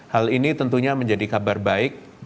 hal ini tentunya menjadi kabar baik